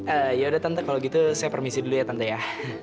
eh yaudah tante kalau gitu saya permisi dulu ya tante ya